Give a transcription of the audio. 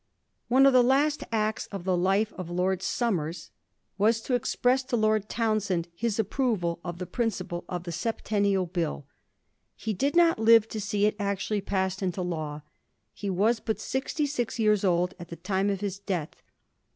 One of the last acts of the life of Lord Somers was to express to Lord Townshend his approval of the principle of the Septennial Bill. He did not live to see it actually passed into law. He was but sixty six years old at the time of his death.